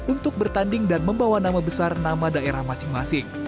untuk bertanding dan membawa nama besar nama daerahnya